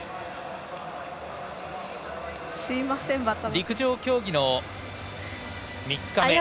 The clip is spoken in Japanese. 陸上競技の３日目。